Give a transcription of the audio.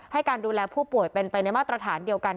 ให้การดูแลผู้ป่วยเป็นไปในมาตรฐานเดียวกัน